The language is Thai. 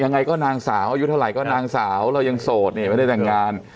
ยังไงก็นางสาวอายุเท่าไหร่ก็นางสาวเรายังโสดเนี่ยไม่ได้แต่งงาน